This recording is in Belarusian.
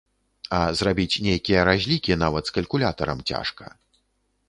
А зрабіць нейкія разлікі нават з калькулятарам цяжка.